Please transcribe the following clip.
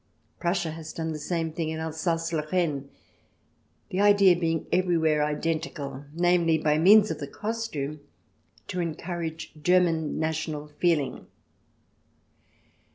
Prussia has done the same thing in Alsace Lorraine, the idea being everywhere identical — namely, by means of the costume to encourage German national feeling.